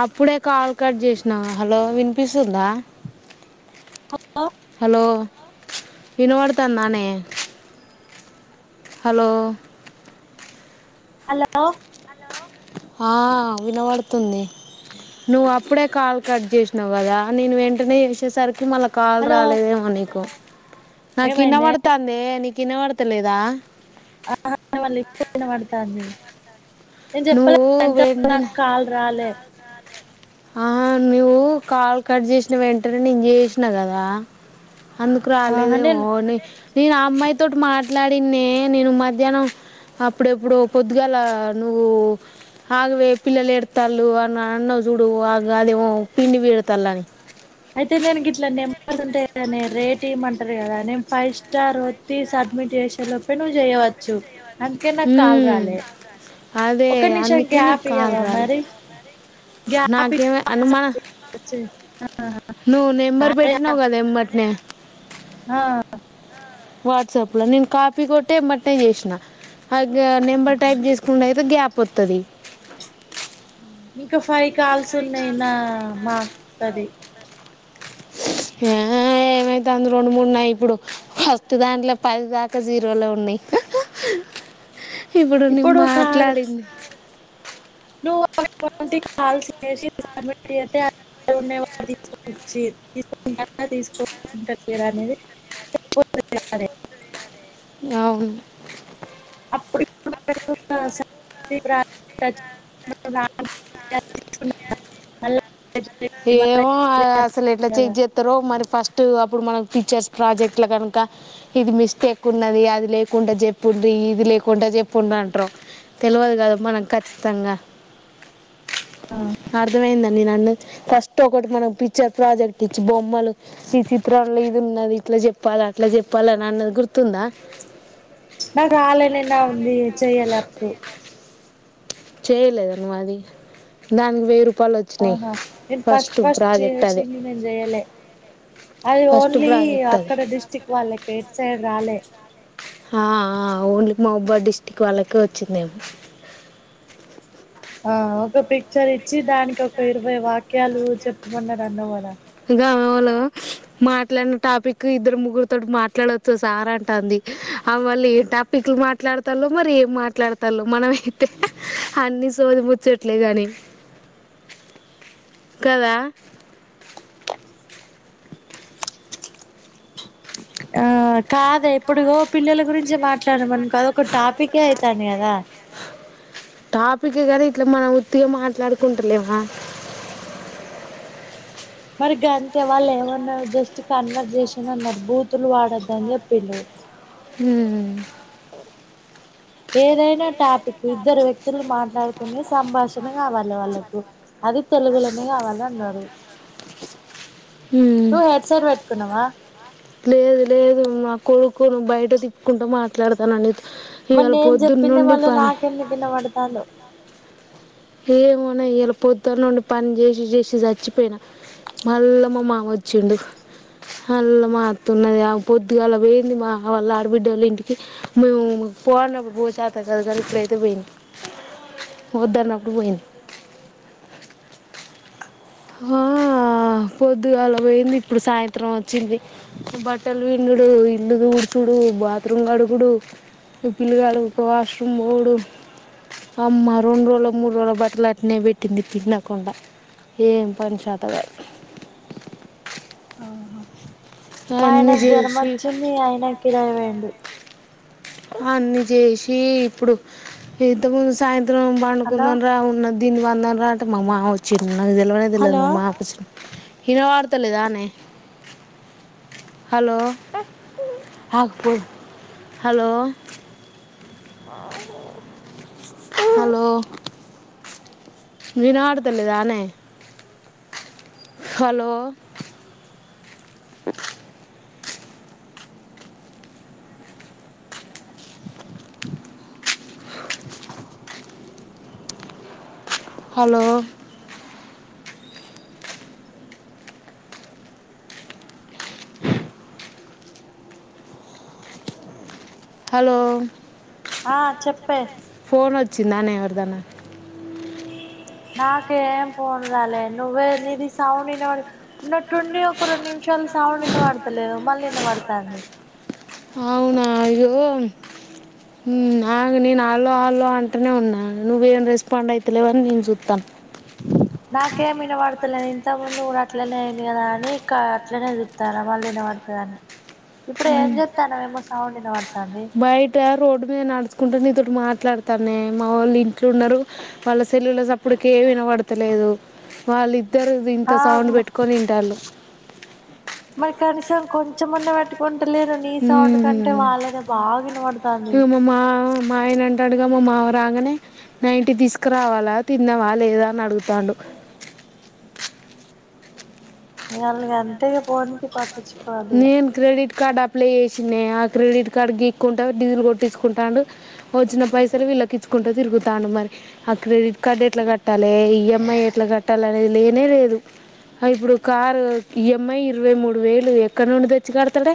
అప్పుడే call cut జేష్ణవా hello వినిపిస్తుందా హలో వినవడుతన్దానే హలో హలో ఆ వినబడుతుంది. నువ్వు అప్పుడే కాల్ కట్ జేషనవ్ కదా నేను వెంటనే చేసేసర్క్ మళ్ళ కాల్ రాలేదేమో నీకు నాకినవడతాందే నీ ఇనవడతలేదా ఆ ఇనవడలే ఇప్పుడు ఇనవడుతంది నేను చెప్పాలే అంటే నాకు కాల్ రాలే ఆహ్ నువ్వు కాల్ కట్ చేసిన వెంటనే నేను చేసినా కదా అందుకు రాలేదేమోని నేను ఆ అమ్మాయితోటి మాట్లాడిన్నే నేను మధ్యాహ్నం అప్పుడెప్పుడో పొద్దుగాల నువ్వు ఆగవే పిల్లలు ఏడుతల్లు అన్న అన్నవ్ చూడు ఆ అదేమో పిండి పిండుతల్లు అని అయితే నేను గిట్లా నెంబర్ ఉంటాయి కదానే రేట్ ఇయ్యామంటరు కదా నేను ఫైవ్ స్టార్ వొత్తి సబ్మిట్ చేసే లోపే నువ్వు చేయవచ్చు అందుకే నాకు కాల్ రాలె అదే అందుకే నీకు కాల్ రాలె నాకేమొ అనుమా నువ్వు నెంబర్ పెట్టినవు కదా ఎంబటినే ఆ వాట్సాప్ ల నేను కాపీ కొట్టి ఏబట్టే చేసినా ఆ గా నెంబర్ టైప్ చేసుకునుడై తే గ్యాప్ వత్తది ఇంకా ఫైవ్ కాల్స్ ఉన్నాయి నా మాక్కాది ఏ ఏమయితంది రెండు మూడున్నాయి ఇప్పుడు ఫస్ట్ దాంట్ల పది దాకా జీరోలే ఉన్నయి ఇప్పుడు నువ్ మాట్లాడింది నువ్వు అవి ట్వంటీ కాల్స్ చేసి ఇచ్చి తీసుకుంటారా తీసుకొనిస్తారా అనేది [unintelligible] అవును అప్పుడు ఇప్పుడు [unintelligible] మా ఏమో అసలు ఎట్ల చెక్ జేత్తరో మరి ఫస్టు ఇప్పుడు మనకు ఫీచర్స్ ప్రాజెక్ట్ల గనుక ఇది మిస్టేక్ ఉన్నది, అది లేకుండా చెప్పుండ్రి, ఇది లేకుండా చెప్పుండి అంట్రో తెలువదు కదా మనకు ఖచ్చితంగా. అర్థమైందా నేన్నది. ఫస్ట్ ఒకటి మనకు పిక్చర్ ప్రాజెక్ట్ ఇచ్చి, బొమ్మలు ఈ చిత్రల్లో ఇది ఉన్నది ఇట్ల జెప్పాలా, అట్ల జెప్పాలని అన్నది గుర్ నాకు రాలేనేను నేను చెయ్యాలే అప్పుడు చేయలేద నువ్వు అది దానికి వెయ్ రు ఆహా నేను ఫస్ట్ ఫస్ట్ చేసింది నేను చెయలే అది ఓన్లీ అక్కడ డిస్ట్రిక్ట్ వాళ్ళకే ఇట్ సైడ్ రాలే హా హా ఓన్లీ మహుబాద్ డిస్ట్రిక్ట్ వాళ్ళకే వచ్చిందేమో ఆ ఒక పిక్చర్ ఇచ్చి దానికి ఒక ఇరవై వాక్యాలు చెప్పుకున్నారు అన్నావ్ కదా గమాఏవలో మాట్లాడిన టాపిక్ ఇద్దరు ముగ్గురితోటి మాట్లాడవచ్చు సార్ అంటాంది ఆ వాళ్ళు ఏ టాపిక్లు మాట్లాడతాలో మరి ఏం మాట్లాడతాల్లో మనమైతే అన్ని సోది ముచ్చట్లే గని కదా కాదే ఇప్పుడు ఇగో పిల్లల గురించి మాట్లాడమనుకో అదొక టాపిక్కే అయితాంది కదా టాపిక్ గని ఇట్లా మనం ఉత్తిగా మాట్లాడుకుంటలేమా మరి గంతే వాళ్ళు ఏమన్నారు జస్ట్ కన్వర్జేషన్ అన్నారు బూతులు వాడొద్దని చెప్పిల్లు హ్మ్ ఏదైనా టాపిక్ ఇద్దరు వ్యక్తులు మాట్లాడుకునే సంభాషణ కావాలే వాళ్ళకు. అది తెలుగులోనే కావాలి అన్నారు. నువు హెడ్ సెట్ పెట్టుకున్నావా? లేదు లేదు నా కొడుకును బయట తిప్పుకుంటూ మాట్లాడతున్న నీత్ మరి నేను జెప్పిందే మళ్ళ నాకెందుకు ఇనపడుతాందో! ఏమోనే ఇయల పొద్దున్నుండి పని చేసి చేసి సచ్చిపోయిన, మల్ల మా మామ వచ్చిండు మల్ల మా అతున్నది ఆమ పొద్దుగాల పోయింది. మా వాళ్ళ ఆడబిడ్డోళ్ళ ఇంటికి మేము పో అన్నప్పుడు పో షాత కాదు గాని, ఇప్పుడైతే పోయింది. వొద్దన్న ప్పుడు పోయింది ఆ పొద్దుగాల పోయింది ఇప్పుడు సాయంత్రం వచ్చింది. బట్టలు పిండుడు, ఇల్లు తూడ్సుడు, బాత్రుం కడుగుడు, పిల్లుగాళ్ళు పో వాష్రూమ్ పోవుడు, అమ్మ రెండు రోజుల మూడు రోజుల బట్టలు అట్నే పెట్టింది పిండుకుండ. ఏం పని షాత కాదు ఆ హ మా ఆయనకు జరమొచ్చింది ఆయన కిిరాయి పోయిండు. అన్ని చేసి ఇప్పుడు ఇంతముందు సాయం త్రం పండుకుందంరా ఉన్నది దిని పండ్దం రా అంటే మా మామ వచ్చిం నాకు తెల్వనే తెల్వదు మా మామ ఎప్పుడొచ్ ఇనవడుతాలేదానేే. హలో ఆగు పోదువ్ హలో అ హలో వినవడుతలేదానే? హలో హలో హలో ఆ చెప్పే. చిన్నానే ఎవర్దన నాకేం ఫోన్ రాలే నువ్వే నీది సౌండ్ ఇన్నబడు ఉన్నటుండి ఒక రెండు నిమిషాలు సౌండ్ ఇన్న పడతలేదు మళ్ళీ వినబుడుతాంది అవున ఇ్యో ఇగ నేను ఆలో ఆళ అంటూనే ఉన్నాను నువ్వేం రెస్పాండ్ అవుతలేవని నేను చూస్తాను నాకేం వినబడుతలే ఇంతకు ముందు కూడ అట్లనే అయింది కదా అనీ, కా అట్లనే జూత్తాన మళ్ళీ ఇనబడుతదని. ఇప్పుడు ఏం జేత్తాండవే ఎమో సౌండ్ ఇనవడుతాంది. రోడ్డు మీద నడుచుకుంటు నీతోటి మాట్లాడుతాన్నే, మా వోళ్ళు ఇంట్ల ఉన్నరు. ఆళ్ళ సెల్లుల సప్పుడకి ఏమి వినబడుతలేదు. వాళ్ళి ద్దరు ఇంత సౌండ్ పెట్టుకొని ఇంటాళ్ళు. మరి కనీసం కొంచెంమన్న పెట్టుకొన్ మ్మూ ఇగ మ మ మా ఆయన అంటాడుగా, మా మావ రాంగనే నైంటీ తీసుకురావాలా తిన్నావా లేదా అని అడుగుతాండు. గాళ ఎంతక పోని పట్టిచ్చు నేన్ క్రెడిట్ కార్డు అప్లై చేసిండే ఆ క్రెడిట్ కార్డు గీక్కుంట డీజిల్ కొట్టించుకుంటాడు వచ్చిన పైసలు వీళ్ళకి ఇచ్చుకుంటూ తిరుగుతాడు మరి ఆ క్రెడిట్ కార్డు ఎట్లా కట్టాలె ఈఎం ఐ ఎట్లా కట్టాల అనేది లేనే లేదు ఇప్పుడు కారు ఈఎంఐ ఇరవై మూడు వేలు ఎక్కడ నుండి తెచ్చి కడతలే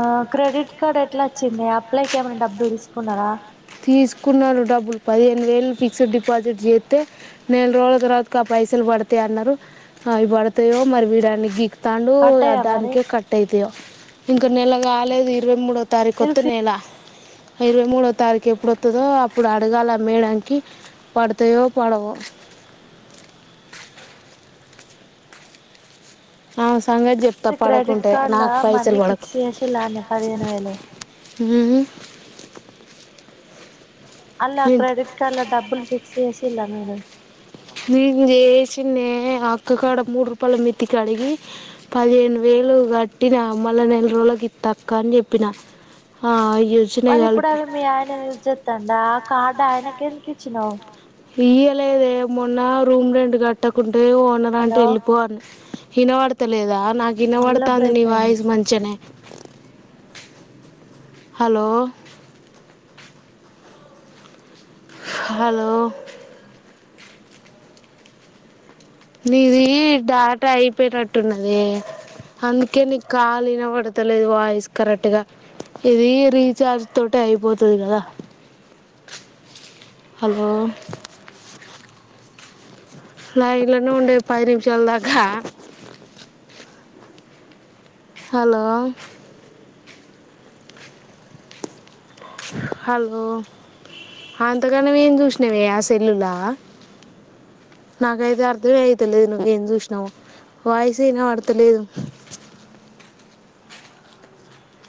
ఆ క్రెడిట్ కార్డ్ ఎట్ల వచ్చింది అప్లైకియమని డబ్బులు తీసుకున్నారా కున్నారు డబ్బులు పదిహేను వేళ్లు ఫిక్స్డ్ డిపాజిట్ చేస్తే నెల రోజుల తర్వాత ఆ పైసలు పడతాయి అన్నారు అవి పడతాయో మరి వీడానికి గ తాండు అ దానికే కట్ అయితయో ఇంక నెల కాలేదు ఇరవై మూడు తారి కొొత్ నెల ఇరవై మూడో తారీఖు ఎప్పుడుొత్తదో అప్పుడు అడగాలి అమేడంకి పడతాయో పడవో అ స్ అడు క్రెడిట్ కార్డ్ల మనీ ఫిక్స్ చేసిలాని పదిహేను వేలు ఊ అలా క్రెడిట్ కార్డ్ డబ్బులు ఫిక్స్ చేసి ఇలా మీరె నేను చేసి నే అక్కకాడ మూడు రూపాయల మెతికి అడిగి పదిహేను వేలు కట్టిన మళ్ళ నెల రోజులకి ఇత్తా అని చెప్పినా ఆ మరి ఇప్పుడు అవి మీ ఆయన యూజ్ చేస్తాండ ఆ కార్డు ఆయనకి ఎందుకు ఇచ్చినావు్ ఇయ్య లేదె మొన్న రూమ్ రెంట్ కట్టకుం టే ఓనర్ ఆంటీ వెళ్ళిపో అంది హినవడ్తలేదా నాకి వినబడతాంది నీ వాయిస్ మంచినే హలో హలో నీది డాటా అయిపోయినట్టున్నది అందుకే నీ కాల్ వినబడతలేదు వాయిస్ కరెక్ట్గా ఇది రీచార్జ్ తోటి అయిపోతుంది కదా హలో లైన్లలోనే ఉండే పది నిమిషాల్ దాకా హలో హలో అంతకనివ్వ ఏం చూసినావే ఆ సెల్లుల నాకైతే అర్థమే అయతలేదు నువ్వేం చూసినావో వాయిస్ వినవర్తలేదు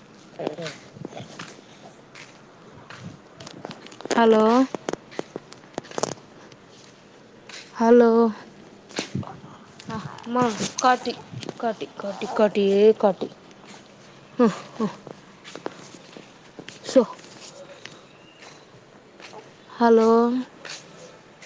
స హలో హలో మా కటి కటి కటి కటి కటి ఉహ్ సో హలో